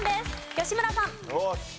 吉村さん。